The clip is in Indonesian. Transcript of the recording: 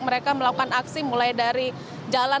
mereka melakukan aksi mulai dari jalan